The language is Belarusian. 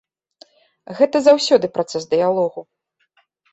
Гэта заўсёды працэс дыялогу.